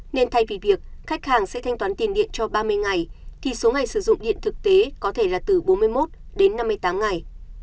nên thay vì việc khách hàng sẽ thanh toán tiền điện cho ba mươi ngày thì số ngày sử dụng điện thực tế có thể là từ bốn mươi một đến năm mươi tám ngày